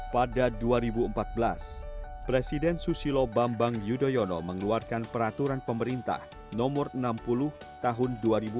pada dua ribu empat belas presiden susilo bambang yudhoyono mengeluarkan peraturan pemerintah nomor enam puluh tahun dua ribu empat belas